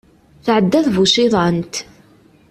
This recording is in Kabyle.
Tɛedda tbuciḍant.